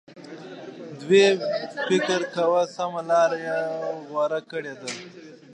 دوی فکر کاوه سمه لار یې غوره کړې ده.